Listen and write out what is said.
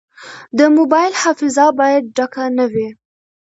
د موبایل حافظه باید ډکه نه وي.